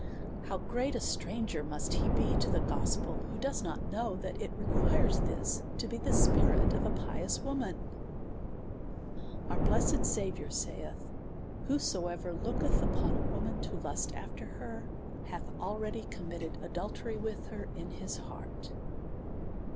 How great a stranger must he be to the gospel, who does not know that it requires this to be the spirit of a pious woman ! Our blessed Saviour saith. Whosoever looketh upon a woman to lust after her, hath already committed aduUery with her in his heart.